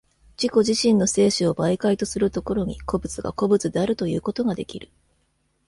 自己自身の生死を媒介とする所に、個物が個物であるということができる。